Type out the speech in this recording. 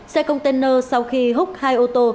xe container sau khi húc hai ô tô